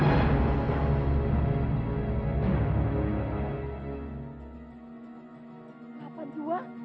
anak aku nggak dibilangin ke dia ya